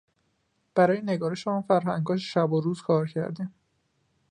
برای نگارش آن فرهنگها شب و روز کار کردیم.